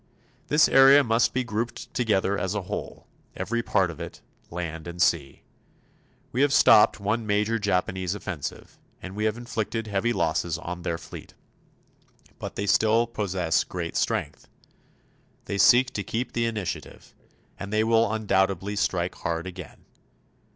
This area must be grouped together as a whole every part of it, land and sea. We have stopped one major Japanese offensive; and we have inflicted heavy losses on their fleet. But they still possess great strength; they seek to keep the initiative; and they will undoubtedly strike hard again.